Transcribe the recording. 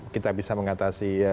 kita bisa mengatasi